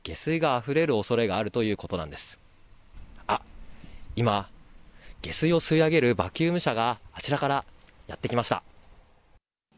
あ、今下水を吸い上げるバキューム車があちらからやってきました。